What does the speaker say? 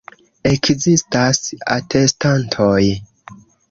Ekzistas atestantoj.